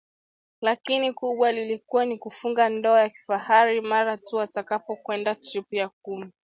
Lakini kubwa lilikuwa ni kufunga ndoa ya kifahari mara tu atakakapokwenda tripu ya kumi